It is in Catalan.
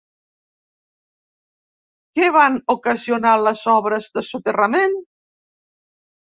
Què van ocasionar les obres de soterrament?